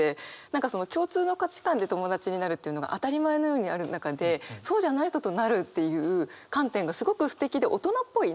何かその共通の価値観で友達になるというのが当たり前のようにある中でそうじゃない人となるっていう観点がすごくすてきで大人っぽい。